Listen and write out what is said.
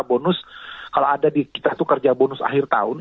bonus kalau ada di kita itu kerja bonus akhir tahun